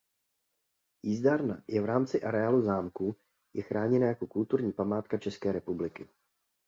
Jízdárna je v rámci areálu zámku je chráněna jako kulturní památka České republiky.